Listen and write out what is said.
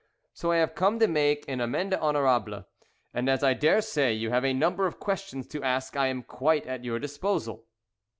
So I have come to make the amende honorable and as I daresay you have a number of questions to ask I am quite at your disposal."